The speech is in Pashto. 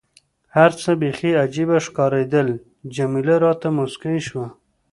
هر څه بیخي عجيبه ښکارېدل، جميله راته موسکۍ شوه.